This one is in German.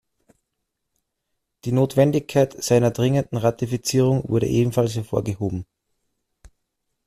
Die Notwendigkeit seiner dringenden Ratifizierung wurde ebenfalls hervorgehoben.